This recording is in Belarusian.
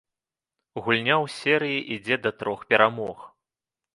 Гульня ў серыі ідзе да трох перамог.